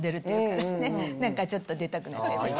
ちょっと出たくなっちゃいました。